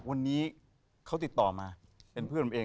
วันนี้เขาติดต่อมาเป็นเพื่อนผมเอง